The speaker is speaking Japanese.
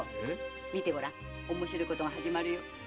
見てごらん面白いことが始まるよ。